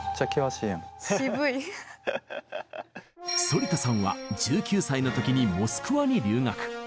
反田さんは１９歳の時にモスクワに留学。